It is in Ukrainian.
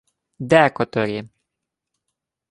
— Декоторі.